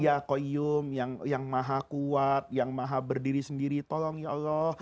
ya koyyum yang maha kuat yang maha berdiri sendiri tolong ya allah